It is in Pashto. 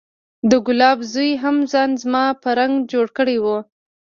د ګلاب زوى هم ځان زما په رنګ جوړ کړى و.